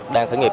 đang khởi nghiệp